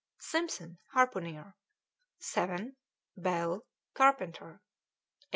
Simpson, harpooner; 7. Bell, carpenter; 8.